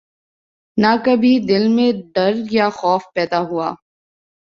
نہ کبھی دل میں ڈر یا خوف پیدا ہوا